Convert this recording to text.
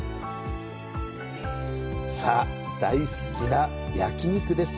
さあ、大好きな焼き肉です！